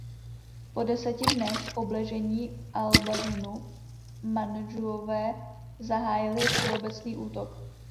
Po deseti dnech obležení Albazinu Mandžuové zahájili všeobecný útok.